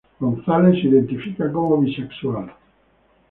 González se identifica como bisexual.